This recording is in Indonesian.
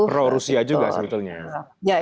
pro rusia juga sebetulnya